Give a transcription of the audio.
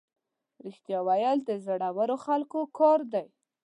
رښتیا ویل د زړورو خلکو کار دی.